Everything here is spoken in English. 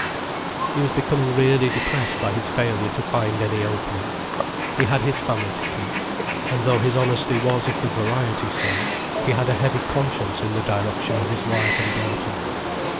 He was becoming really depressed by his failure to find any opening. He had his family to keep—and though his honesty was of the variety sort, he had a heavy conscience in the direction of his wife and daughter.